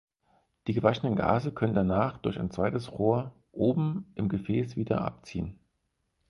Die gewaschenen Gase können danach durch ein zweites Rohr oben im Gefäß wieder abziehen.